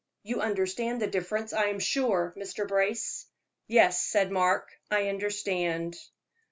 You understand the difference, I am sure, Mr. Brace?" "Yes," said Mark, "I understand."